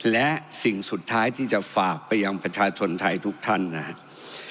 และสิ่งสุดท้ายที่จะฝากไปยังประชาชนไทยทุกท่านนะครับ